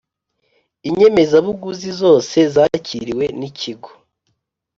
inyemezabuguzi zose zakiriwe n ikigo